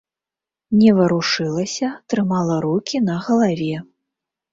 Не варушылася, трымала рукі на галаве.